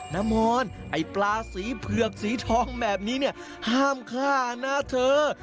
น้ำมอนไอ้ปลาสีเผือกสีทองแบบนี้ห้ามฆ่านะเถอะ